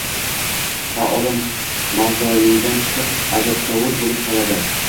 Ha, odam mavzoleydan chiqib... ajabtovur bo‘lib qoladi!